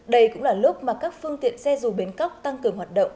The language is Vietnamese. đây cũng là lúc mà các phương tiện xe dù bến cóc tăng cường hoạt động